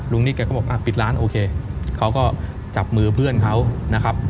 นิดแกก็บอกปิดร้านโอเคเขาก็จับมือเพื่อนเขานะครับ